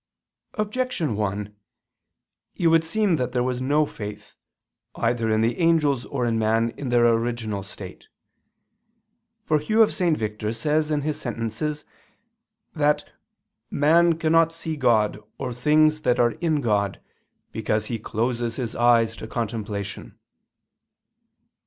Objection 1: It would seem that there was no faith, either in the angels, or in man, in their original state. For Hugh of S. Victor says in his Sentences (De Sacram. i, 10) that "man cannot see God or things that are in God, because he closes his eyes to contemplation."